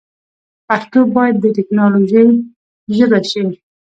پښتو باید د ټیکنالوجۍ ژبه شي.